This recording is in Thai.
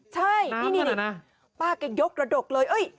ใช่นี่ป้าแกยกระดกเลย